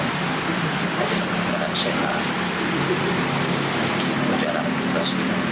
maka saya tidak berjarak dengan tugasnya